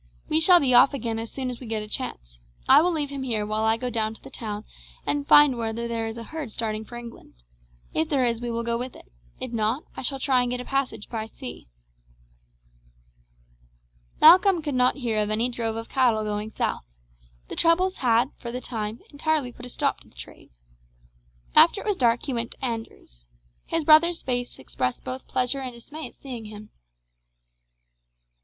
We shall be off again as soon as we get a chance. I will leave him here while I go down the town and find whether there is a herd starting for England. If there is we will go with it; if not, I shall try and get a passage by sea." Malcolm could not hear of any drove of cattle going south. The troubles had, for the time, entirely put a stop to the trade. After it was dark he went to Andrew's. His brother's face expressed both pleasure and dismay at seeing him.